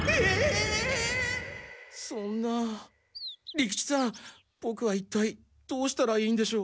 利吉さんボクはいったいどうしたらいいんでしょう？